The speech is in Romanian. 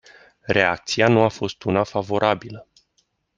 Reacția nu a fost una favorabilă.